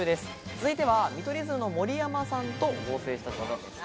続いては、見取り図の盛山さんと合成した写真です。